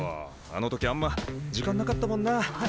あの時あんま時間なかったもんなあ。